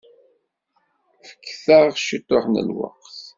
Fket-aɣ ciṭuḥ n lweqt.